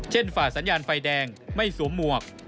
ฝ่าสัญญาณไฟแดงไม่สวมหมวก